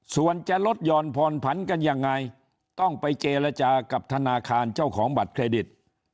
ส่วนจะลดหย่อนผ่อนผันกันยังไงต้องไปเจรจากับธนาคารเจ้าของบัตรเครดิต